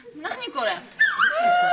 これ。